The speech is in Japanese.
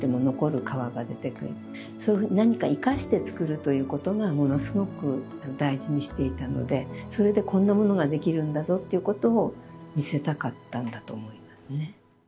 そういうふうに何か生かして作るということがものすごく大事にしていたのでそれでこんなものができるんだぞっていうことを見せたかったんだと思いますね。